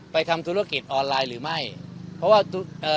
ทำธุรกิจออนไลน์หรือไม่เพราะว่าเอ่อ